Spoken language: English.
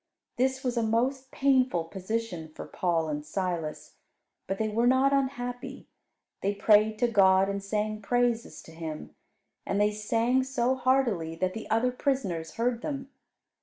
This was a most painful position for Paul and Silas. But they were not unhappy. They prayed to God, and sang praises to Him; and they sang so heartily that the other prisoners heard them.